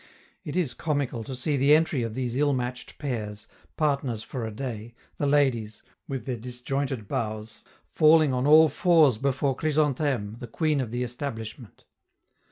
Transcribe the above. It is comical to see the entry of these ill matched pairs, partners for a day, the ladies, with their disjointed bows, falling on all fours before Chrysantheme, the queen of the establishment.